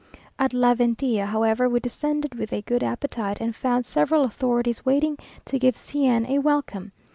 At La Ventilla, however, we descended with a good appetite, and found several authorities waiting to give C n a welcome.